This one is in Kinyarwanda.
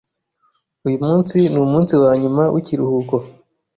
Uyu munsi numunsi wanyuma wikiruhuko.